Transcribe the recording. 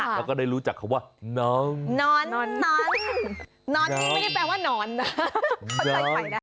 แล้วก็ได้รู้จักเขาว่านอนนอนนอนนอนจริงไม่ได้แปลว่านอนนอน